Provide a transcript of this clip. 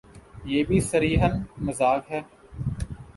یہ بھی صریحا مذاق ہے۔